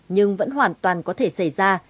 nhưng vẫn hoàn toàn có thể xảy ra